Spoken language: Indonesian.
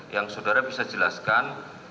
yang saudara bisa jelaskan